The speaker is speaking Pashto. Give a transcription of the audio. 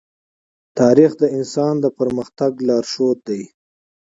تاریخ د انسان د پرمختګ لارښود دی.